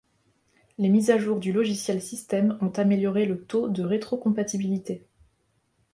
Les mises à jour du logiciel système ont amélioré le taux de rétrocompatibilité.